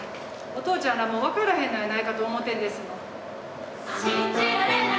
お父ちゃんらがもう分からへんのやないかと思ってんですの。